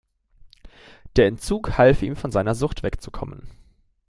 Der Entzug half ihm von seiner Sucht wegzukommen.